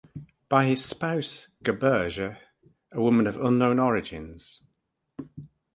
By his spouse, Gerberge, a woman of unknown origins.